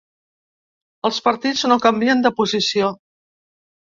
Els partits no canvien de posició.